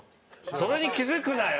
それに気付くなよ！